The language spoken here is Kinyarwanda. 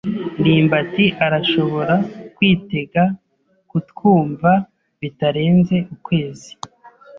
ndimbati arashobora kwitega kutwumva bitarenze ukwezi.